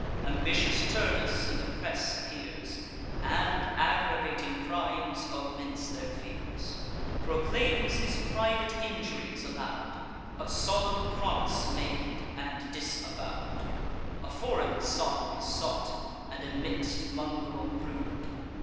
Ambitious Turnus in the press appears, And, aggravating crimes, augments their fears; Proclaims his private injuries aloud, A solemn promise made, and disavow'd; A foreign son is sought, and a mix'd mungril brood.